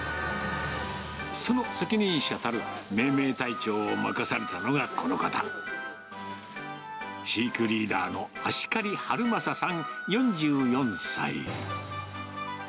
その責任者たる命名隊長を任されたのがこの方、飼育リーダーの芦刈はるまささん